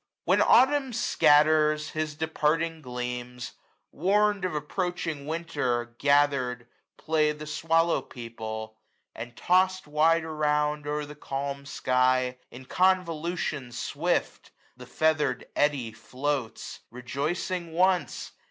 When Autumn scatters his departing gleams, Warn*d of approaching Winter, gathered, play 835 The swallow people ; and toss'd wide around. O'er the calm sky, in convolution swift. The feather'd eddy floats : rejoicing once.